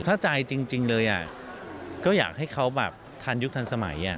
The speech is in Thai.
ถ้าใจจริงเลยก็อยากให้เขาแบบทันยุคทันสมัย